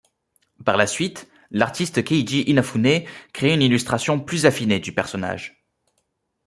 Par la suite, l'artiste Keiji Inafune crée une illustration plus affinée du personnage.